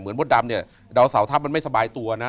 เหมือนมดดำเนี่ยดาวสาวทับมันไม่สบายตัวนะ